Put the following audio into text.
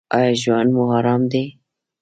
ایا ژوند مو ارام دی؟